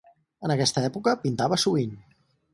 En aquesta època pintava sovint.